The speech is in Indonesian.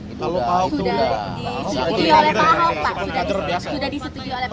kalau pak hock sudah disetujui oleh pak hock